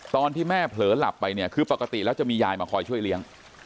ตอนที่แม่เผลอหลับไปเนี่ยคือปกติแล้วจะมียายมาคอยช่วยเลี้ยง